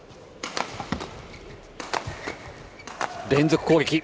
連続攻撃。